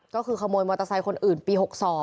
ก็คือขโมยมอเตอร์ไซค์คนอื่นปี๖๒